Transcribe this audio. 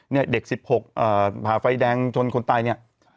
เด็ก๑๖ผ่าไฟแดงชนคนตายเนี่ย